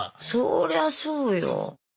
そりゃそうよ。